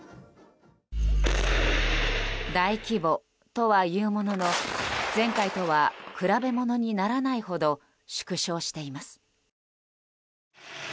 大規模とは言うものの前回とは比べ物にならないほど縮小しています。